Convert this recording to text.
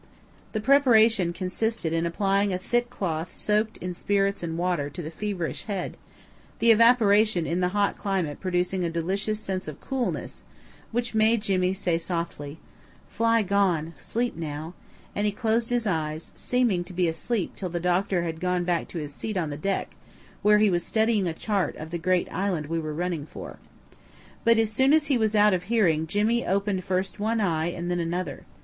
The preparation consisted in applying a thick cloth soaked in spirits and water to the feverish head, the evaporation in the hot climate producing a delicious sense of coolness, which made Jimmy say softly: "Fly gone sleep now," and he closed his eyes, seeming to be asleep till the doctor had gone back to his seat on the deck, where he was studying a chart of the great island we were running for. But as soon as he was out of hearing Jimmy opened first one eye and then another.